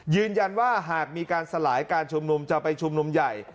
ยืนยันว่าหากมีการสลายการชุมนุมจะไปชุมนุมใหญ่